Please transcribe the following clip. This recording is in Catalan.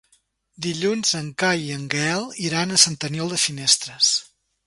Dilluns en Cai i en Gaël iran a Sant Aniol de Finestres.